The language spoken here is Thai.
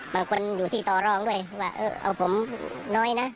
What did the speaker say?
บางคนอยู่ที่ต่อรองด้วยเอาผมน้อยนะ